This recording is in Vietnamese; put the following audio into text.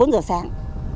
ba bốn giờ sáng